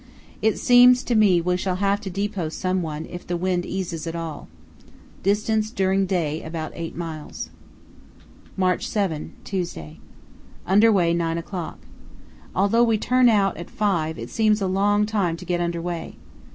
It seems to me we shall have to depot someone if the wind eases at all. Distance during day about eight miles. "March 7, Tuesday.—Under way 9 o'clock. Although we turn out at 5 it seems a long time to get under way.